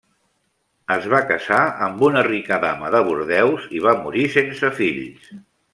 Es va casar amb una rica dama de Bordeus i va morir sense fills.